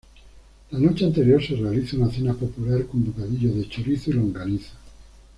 La noche anterior se realiza una cena popular con bocadillos de chorizo y longaniza.